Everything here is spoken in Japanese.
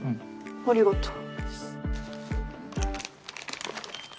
ありがとう。